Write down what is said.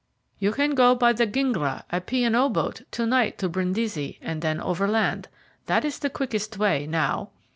"You can go by the Gingra, a P. & O. boat, to night to Brindisi, and then overland. That is the quickest way now."